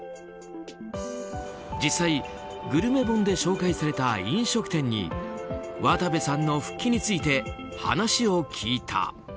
実際、グルメ本で紹介された飲食店に渡部さんの復帰について話を聞いた。